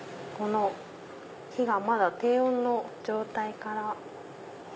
火がまだ低温の状態から。